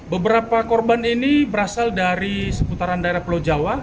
beberapa korban ini berasal dari seputaran daerah pulau jawa